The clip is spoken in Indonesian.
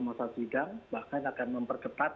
masa sidang bahkan akan memperketat